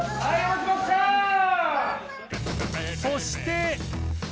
そして